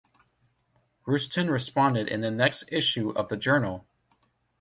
Rushton responded in the next issue of the journal.